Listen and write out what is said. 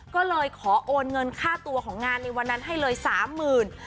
ก็เลยขอโอนเงินค่าตัวของงานในวันนั้นให้เลยสามหมื่น